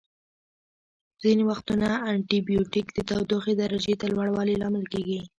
ځینې وختونه انټي بیوټیک د تودوخې درجې د لوړوالي لامل کیږي.